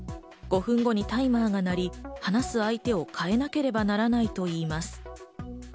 ５分後にタイマーが鳴り、話す相手を変えなければならないといいます。